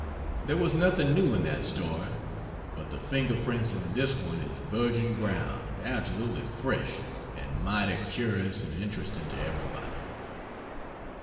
There was nothing new in that story, but the finger prints in this one is virgin ground absolutely fresh, and mighty curious and interesting to everybody.